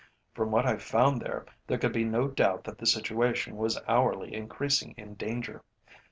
From what I found there, there could be no doubt that the situation was hourly increasing in danger.